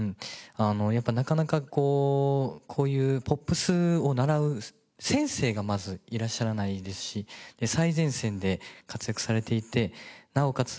やっぱりなかなかこういうポップスを習う先生がまずいらっしゃらないですし最前線で活躍されていてなおかつ